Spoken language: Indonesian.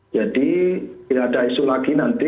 jadi tidak ada isu lagi nanti